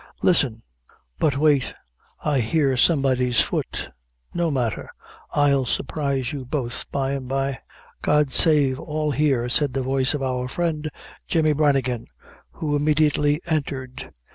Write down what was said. Listen but wait I hear somebody's foot. No matter I'll surprise you both by an' by." "Godsave all here," said the voice of our friend, Jemmy Branigan, who immediately entered.